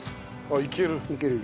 あっいける？